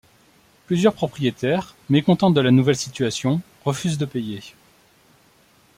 Plusieurs propriétaires, mécontent de la nouvelle situation, refusent de payer.